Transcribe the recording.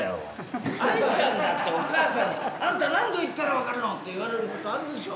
あいちゃんだってお母さんに「あんた何度言ったら分かるの」って言われることあるでしょ？